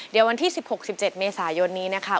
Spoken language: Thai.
เดี๋ยววันที่๑๖๑๗เมษายนนี้นะคะ